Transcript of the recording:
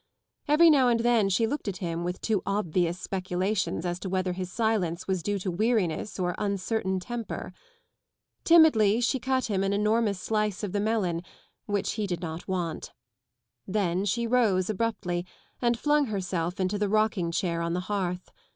Every now and then she looked at him with too obvious speculations as to whether his silence was due to weariness or uncertain temper. Timidly she cut him an enormous slice of the melon, which he did not want. Then she rose abruptly and flung herself into the rocking chair on the hearth.